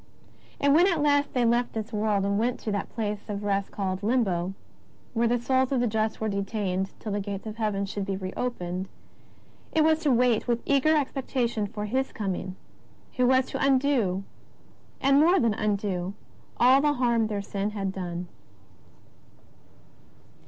And when at last they left this w^orld and went to that place of rest called Limbo, where the souls of the just were detained till the gates of Heaven should be re opened, it was to wait with eager expectation for His Coming who was to undo and more than undo all the harm their sin had done.